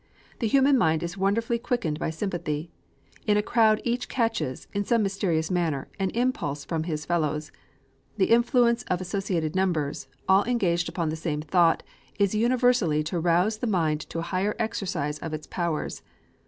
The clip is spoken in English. The human mind is wonderfully quickened by sympathy. In a crowd each catches, in some mysterious manner, an impulse from his fellows. The influence of associated numbers, all engaged upon the same thought, is universally to rouse the mind to a higher exercise of its powers.